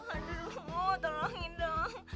aduh mau tolongin dong